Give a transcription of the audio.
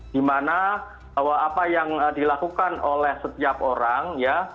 dimana bahwa apa yang dilakukan oleh setiap orang ya